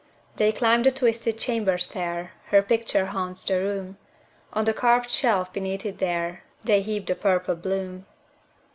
They climb the twisted chamber stair; Her picture haunts the room; On the carved shelf beneath it there, They heap the purple bloom.